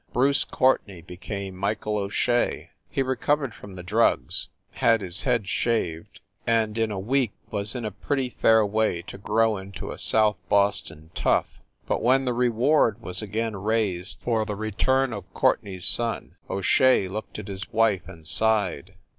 Bruce Courtenay became Michael O Shea. He re covered from the drugs, had his head shaved, and, in a week was in a fair way to grow into a South Boston tough. But when the reward was again raised for the re turn of Courtenay s son, O Shea looked at his wife and sighed.